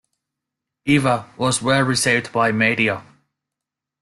Eva was well received by media.